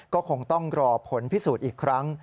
ก็คงต้องรอผลพิสูจน์อีกครั้ง